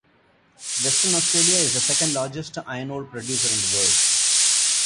Western Australia is the second-largest iron ore producer in the world.